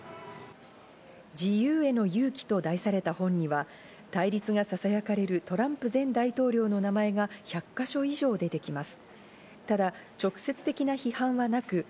「自由への勇気」と題された本には、対立がささやかれるトランプ前大統領の名前が１００か所以上出てきます。